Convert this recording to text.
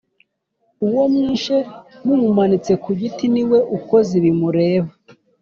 Uwo mwishe mumumanitse ku giti niwe ukoze ibi mureba